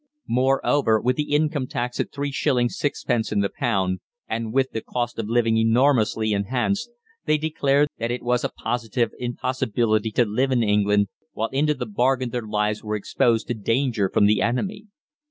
Moreover, with the income tax at 3_s._ 6_d._ in the pound, and with the cost of living enormously enhanced, they declared that it was a positive impossibility to live in England, while into the bargain their lives were exposed to danger from the enemy.